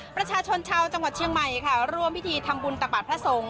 ประชาชนชาวจังหวัดเชียงใหม่ค่ะร่วมพิธีทำบุญตักบาทพระสงฆ์